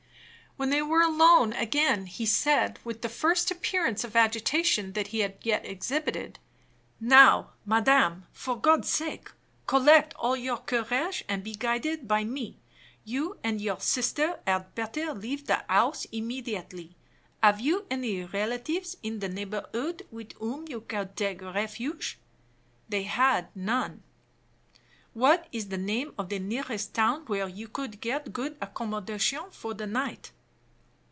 When they were alone again, he said, with the first appearance of agitation that he had yet exhibited, "Now, madam, for God's sake, collect all your courage, and be guided by me. You and your sister had better leave the house immediately. Have you any relatives in the neighborhood with whom you could take refuge?" They had none. "What is the name of the nearest town where you could get good accommodation for the night?"